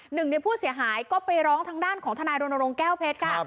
หนึ่งในผู้เสียหายก็ไปร้องทางด้านของทนายรณรงค์แก้วเพชรค่ะ